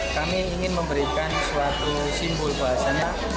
kami ingin memberikan suatu simbol bahwasannya